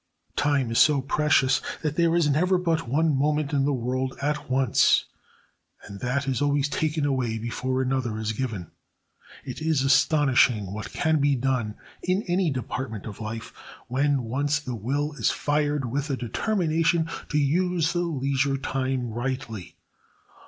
Time is so precious that there is never but one moment in the world at once, and that is always taken away before another is given. It is astonishing what can be done in any department of life when once the will is fired with a determination to use the leisure time rightly.